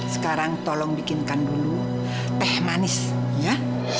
sekarang tolong bikinkan dulu teh manis ya